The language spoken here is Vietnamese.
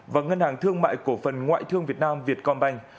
và ngân hàng thương mại cổ phần ngoại thương việt nam vietcombank